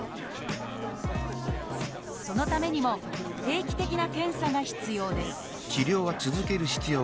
そのためにも定期的な検査が必要です